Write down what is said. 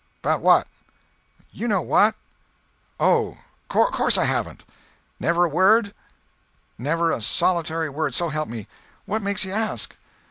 "'Bout what?" "You know what." "Oh—'course I haven't." "Never a word?" "Never a solitary word, so help me. What makes you ask?"